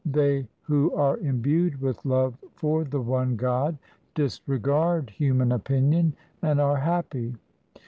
They who are imbued with love for the one God, Disregard human opinion and are happy.